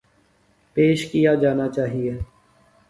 ﭘﯿﺶ ﮐﯿﺎ ﺟﺎﻧﺎ ﭼﺎﮬﯿﮯ